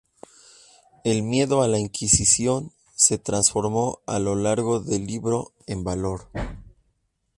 El miedo a la Inquisición se transforma a lo largo del libro en valor.